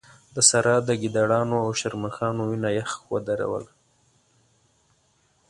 د سارا د ګيدړانو او شرموښانو وينه يخ ودروله.